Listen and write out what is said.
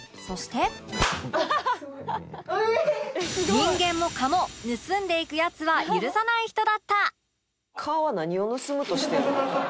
人間も蚊も盗んでいくヤツは許さない人だった！